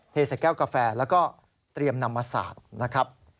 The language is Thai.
ใส่แก้วกาแฟแล้วก็เตรียมนำมาสาดนะครับ